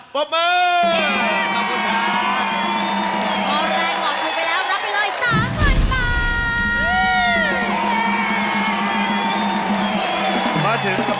ป๊อบมือ